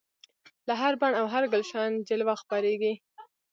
له هر بڼ او هر ګلشن جلوه خپریږي